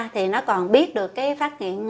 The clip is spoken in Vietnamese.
thì nó còn biết được cái phát hiện